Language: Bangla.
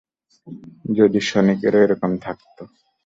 যদি সনিকেরও এরকম থাকতো।